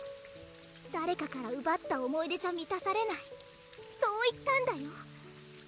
誰かからうばった思い出じゃみたされないそう言ったんだよ